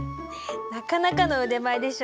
なかなかの腕前でしょ。